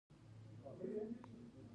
اضافي ارزښت ټول له سرمایې سره یوځای کېږي